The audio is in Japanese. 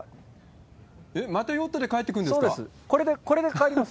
またヨットで帰ってくるんそうです。